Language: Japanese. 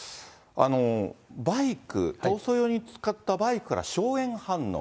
バイク、逃走用に使ったバイクから硝煙反応。